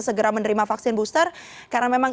segera menerima vaksin booster karena memang